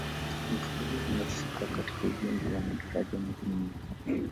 Mfugale amehusika katika ujenzi wa madaraja mengine mengi